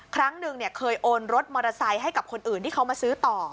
ครั้งหนึ่งเคยโอนรถมอเตอร์ไซค์ให้กับคนอื่นที่เขามาซื้อต่อ